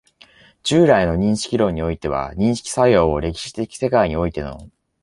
従来の認識論においては、認識作用を歴史的世界においての